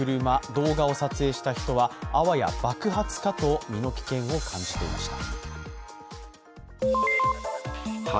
動画を撮影した人はあわや爆発かと身の危険を感じていました。